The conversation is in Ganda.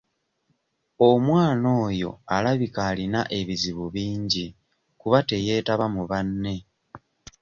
Omwana oyo alabika alina ebizibu bingi kuba teyeetaba mu banne.